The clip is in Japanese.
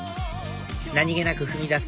何げなく踏み出す